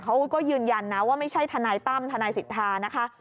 เขาก็ยืนยันนะว่าไม่ใช่ทนายตั้มทนายสิทธานะคะ